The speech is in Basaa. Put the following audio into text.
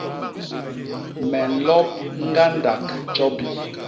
Me nlop ñgandak tjobi.